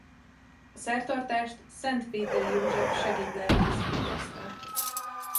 A szertartást Szentpétery József segédlelkész végezte.